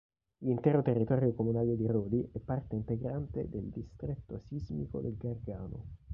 L'intero territorio comunale di Rodi è parte integrante del distretto sismico del Gargano.